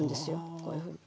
こういうふうに。